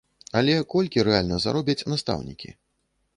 Але колькі рэальна заробяць настаўнікі?